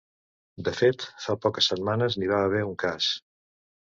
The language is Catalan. De fet, fa poques setmanes, n’hi va haver un cas.